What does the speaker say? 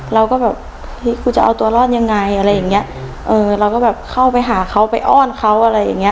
เราก็แบบเฮ้ยกูจะเอาตัวรอดยังไงอะไรอย่างเงี้ยเออเราก็แบบเข้าไปหาเขาไปอ้อนเขาอะไรอย่างเงี้